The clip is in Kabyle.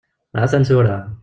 A-t-an tura!